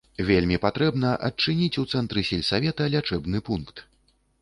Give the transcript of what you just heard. Вельмі патрэбна адчыніць у цэнтры сельсавета лячэбны пункт.